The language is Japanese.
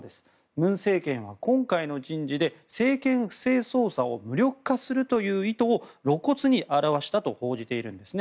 文政権は今回の人事で政権不正捜査を無力化するという意図を露骨に表したと報じているんですね。